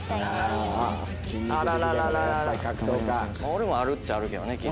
俺もあるっちゃあるけどね筋肉。